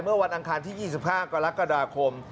วันอังคารที่๒๕กรกฎาคม